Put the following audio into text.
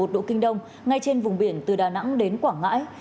một trăm linh chín một độ kinh đông ngay trên vùng biển từ đà nẵng đến quảng ngãi